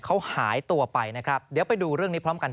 เขาหายตัวไปนะครับเดี๋ยวไปดูเรื่องนี้พร้อมกัน